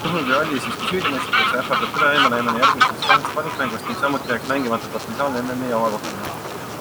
Juhul kui Alli siiski süüdi mõistetakse, ähvardab teda eemale jäämine järgmisest kahest valikmängust ning samuti jääks mängimata potentsiaalne MMi avakohtumine.